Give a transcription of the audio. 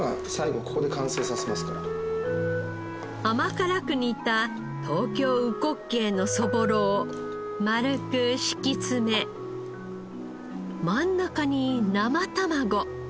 甘辛く煮た東京うこっけいのそぼろを丸く敷き詰め真ん中に生卵。